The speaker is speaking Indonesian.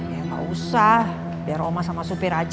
enggak usah biar oma sama supir aja